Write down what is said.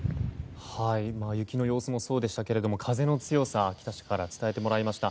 雪の様子もそうですが風の強さを秋田市から伝えてもらいました。